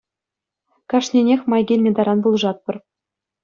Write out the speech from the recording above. Кашнинех май килнӗ таран пулӑшатпӑр.